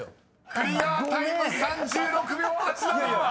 ［クリアタイム３６秒８７］ごめん！